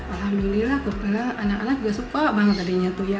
alhamdulillah aku bilang anak anak gak suka banget tadinya tuh ya